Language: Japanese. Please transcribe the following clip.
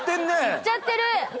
いっちゃってる！